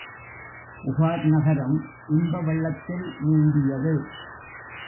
புகார் நகரம் இன்ப வெள்ளத்தில் நீந்தியது.